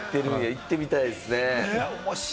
行ってみたいですね。